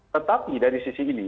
tetapi dari sisi ini